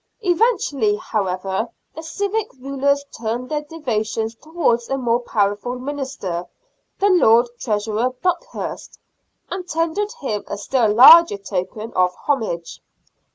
Eventually, however, the civic rulers turned their devotions towards a more powerful minister, the Lord Treasurer Buckhurst, and tendered him a stiU larger token of homage.